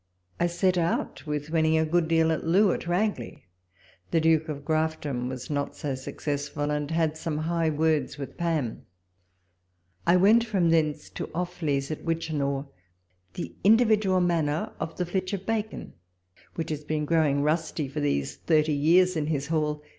I set out with winning a good deal at Loo at Ragley ; the Duke of Grafton was not so successful, and had some high words with Pam. I went from thence to Offley's at Whichnovre, the individual manor of the flitch of bacon, which has been growing rusty for these thirty years in his hall.